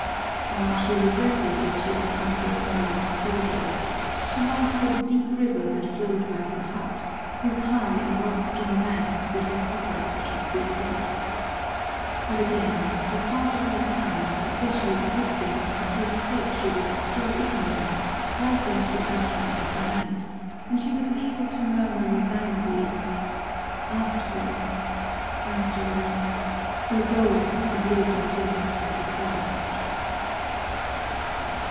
Now she regretted that she had come so far with the soldiers; she longed for the deep river that flowed by her hut, whose high and rock strewn banks would have offered such a sweet death. But again the thought of her sons, especially of Crispin, of whose fate she was still ignorant, lightened the darkness of her night, and she was able to murmur resignedly, "Afterwards afterwards we'll go and live in the depths of the forest."